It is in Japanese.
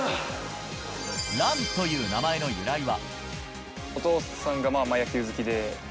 藍という名前の由来は。